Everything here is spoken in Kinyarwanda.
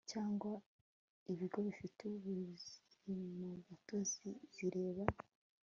cyangwa ibigo bifite ubuzimagatozi zireba